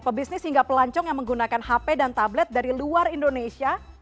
pebisnis hingga pelancong yang menggunakan hp dan tablet dari luar indonesia